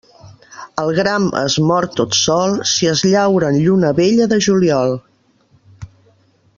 El gram es mor tot sol si es llaura en lluna vella de juliol.